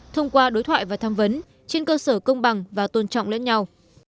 thông qua đối thoại và tham vấn trên cơ sở công bằng và tôn trọng lẫn nhau